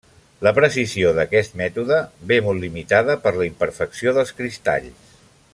La precisió d'aquest mètode ve molt limitada per la imperfecció dels cristalls.